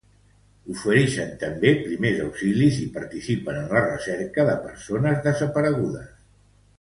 Ofereixen també primers auxilis i participen en la recerca de persones desaparegudes.